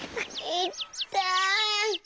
いったい。